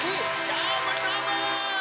どーもどーも！